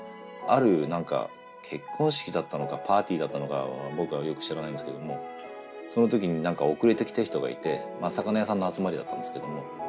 ある結婚式だったのかパーティーだったのか僕はよく知らないんですけどもその時に遅れてきた人がいて魚屋さんの集まりだったんですけども。